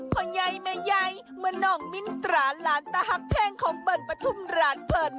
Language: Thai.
พ่อใยไม่ใยเมื่อน้องมินตราหลานตะฮักเพ่งของเบิ้ลประธุมราชเพลิน